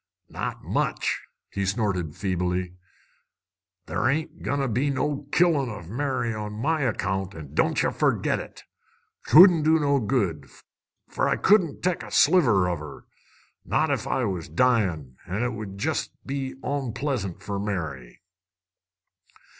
"Not much," he snorted feebly. "Ther' ain't goin' to be no killin' of Mary on my account, an' don't ye forgit it! 'Twouldn't do good, fer I wouldn't tech a sliver of her, not ef I was dyin'. An' it would jest be on pleasant fer Mary."